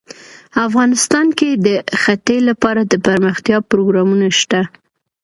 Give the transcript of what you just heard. افغانستان کې د ښتې لپاره دپرمختیا پروګرامونه شته.